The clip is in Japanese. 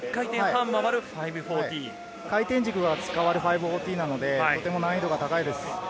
回転軸がつかまる５４０なので、難易度が高いです。